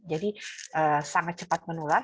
jadi sangat cepat menular